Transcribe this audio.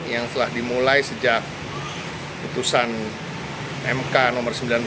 yang telah dimulai sejak putusan mk no sembilan puluh dua ribu dua puluh tiga